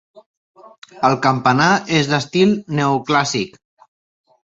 El campanar és d'estil neoclàssic.